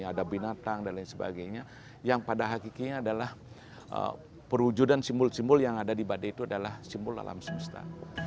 ada binatang dan lain sebagainya yang pada hakikinya adalah perwujudan simbol simbol yang ada di badai itu adalah simbol alam semesta